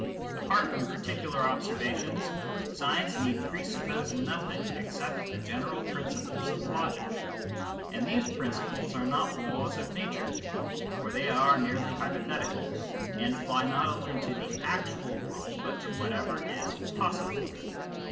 Apart from particular observations, science need pre suppose nothing except the general principles of logic, and these principles are not laws of nature, for they are merely hypothetical, and apply not only to the actual world but to whatever is possible.